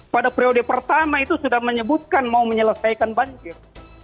pada periode pertama itu sudah menyebutkan mau menyelesaikan banjir